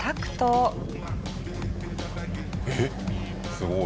すごい！